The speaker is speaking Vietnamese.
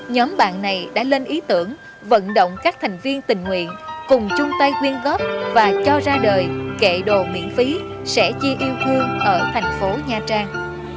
nhóm bạn này đã lên ý tưởng vận động các thành viên tình nguyện cùng chung tay quyên góp và cho ra đời kệ đồ miễn phí sẽ chia yêu thương ở thành phố nha trang